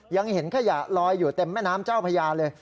ยังเห็นขยะลอยอยู่เต็มแม่น้ำเจ้าพญาเลย